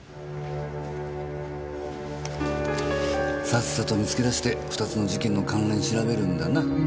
さっさと見つけ出して２つの事件の関連調べるんだな。